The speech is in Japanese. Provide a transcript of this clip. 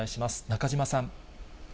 中島さん。